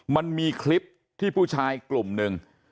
มันมีคลิปที่ผู้ชายกลุ่มหนึ่ง